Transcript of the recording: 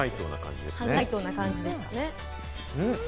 半解凍な感じですね。